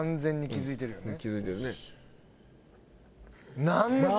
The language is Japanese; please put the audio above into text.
気付いてるね。